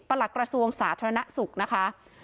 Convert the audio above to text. ปรกรสูงสาธารณะสุขนะคะ